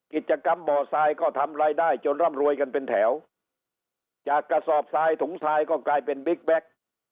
กิจกรรมบ่อทรายก็ทำรายได้จนร่ำรวยกันเป็นแถวจากกระสอบทรายถุงทรายก็กลายเป็นบิ๊กแบ็ค